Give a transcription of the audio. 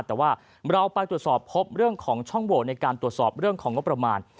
แต่ว่าเราไปตรวจสอบพบเรื่องของช่องโหวตในการตรวจสอบเรื่องของงบประมาณ